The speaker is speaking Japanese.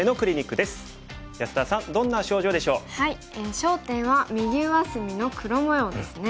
焦点は右上隅の黒模様ですね。